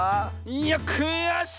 いやくやしい！